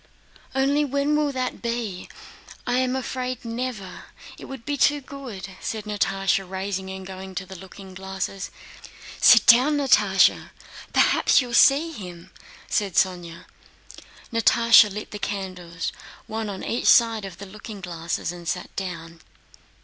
"Only when will all that be? I am afraid never.... It would be too good!" said Natásha, rising and going to the looking glasses. "Sit down, Natásha; perhaps you'll see him," said Sónya. Natásha lit the candles, one on each side of one of the looking glasses, and sat down.